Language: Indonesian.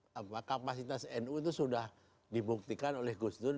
kalau soal kapasitas nu itu sudah dibuktikan oleh ghosnola